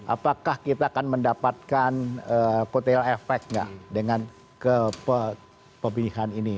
apakah kita akan mendapatkan kotel efek nggak dengan pemilihan ini